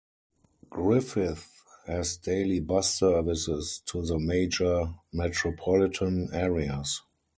Griffith has daily bus services to the major metropolitan areas.